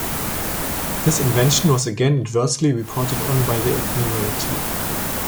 This invention was again adversely reported on by the admiralty.